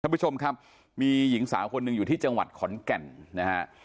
ท่านผู้ชมครับมีหญิงสาวคนหนึ่งอยู่ที่จังหวัดขอนแก่นนะฮะ